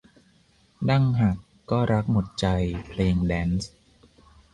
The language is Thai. ดั้งหักก็รักหมดใจ เพลงแดนซ์